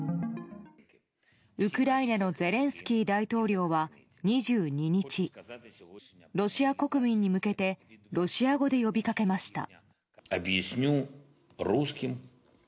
ウクライナのゼレンスキー大統領は２２日ロシア国民に向けてロシア語で呼びかけました。